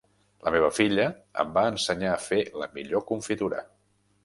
La meva filla em va ensenyar a fer la millor confitura.